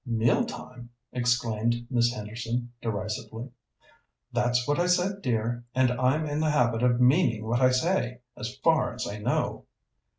"Meal time?" exclaimed Miss Henderson derisively. "That's what I said, dear, and I'm in the habit of meaning what I say, as far as I know."